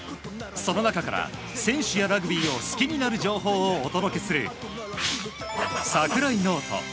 その中から、選手やラグビーを好きになる情報をお届けする櫻井ノート。